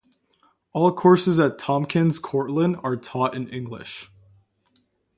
All courses at Tompkins Cortland are taught in English.